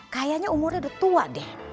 kayaknya umurnya udah tua deh